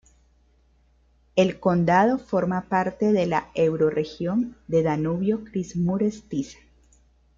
El condado forma parte de la eurorregión de Danubio-Kris-Mures-Tisa.